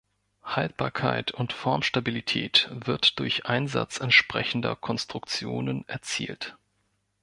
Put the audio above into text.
Haltbarkeit und Formstabilität wird durch Einsatz entsprechender Konstruktionen erzielt.